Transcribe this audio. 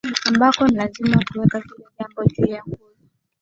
ambako ni lazima kuweka kila jengo juu ya nguzo